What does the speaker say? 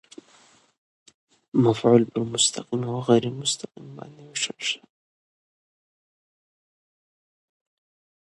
مفعول پر مستقیم او غېر مستقیم باندي وېشل سوی دئ.